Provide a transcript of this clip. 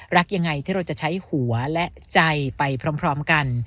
รักยังไงที่เราจะใช้หัวและใจไปพร้อมกัน